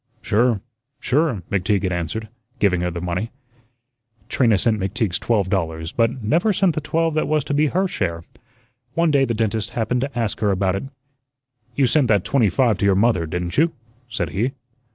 "Sure, sure," McTeague had answered, giving her the money. Trina sent McTeague's twelve dollars, but never sent the twelve that was to be her share. One day the dentist happened to ask her about it. "You sent that twenty five to your mother, didn't you?" said he.